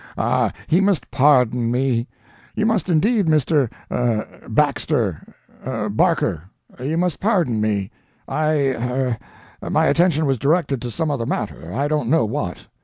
Ah, he must pardon me. You must indeed Mr—er—Baxter—Barker, you must pardon me. I—er—my attention was directed to some other matter, I don't know what.